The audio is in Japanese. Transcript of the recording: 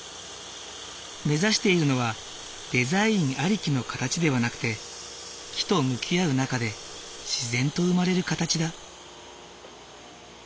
目指しているのはデザインありきの形ではなくて木と向き合う中で自然と生まれる形だ。